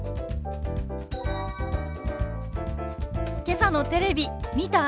けさのテレビ見た？